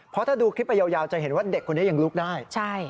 เพราะถ้าดูคลิปไปยาวจะเห็นว่าเด็กคนนี้ยังลุกได้